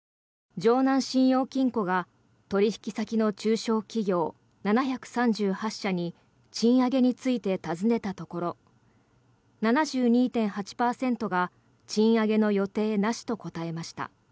城南信用金庫が取引先の中小企業７３８社に賃上げについて尋ねたところ７２．８％が賃上げの予定なしと答えました。